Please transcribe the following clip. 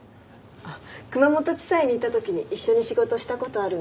熊本地裁にいた時に一緒に仕事した事あるの。